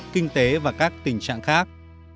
kinh tế và các tình trạng khác